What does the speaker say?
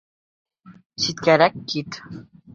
Ситкәрәк кит!..